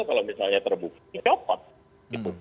kalau misalnya terbukti kapan gitu